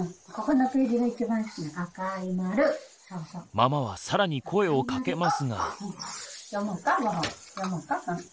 ママは更に声をかけますが。